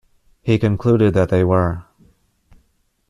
He concluded that they were.